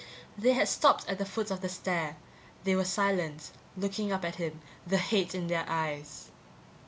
They had stopped at the foot of the stair; they were silent, looking up at him, the hate in their eyes.